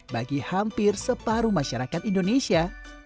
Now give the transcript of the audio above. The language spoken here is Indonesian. bagi hampir separuh masyarakat indonesia